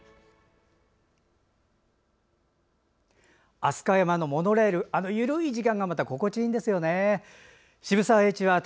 飛鳥山のモノレールあのゆるい時間がまた乗り心地いいんですよね。